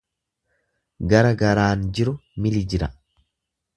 Gara garaan jiru mili jira.